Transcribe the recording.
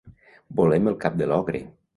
Volem el cap de l'ogre.